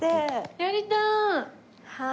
やりたい！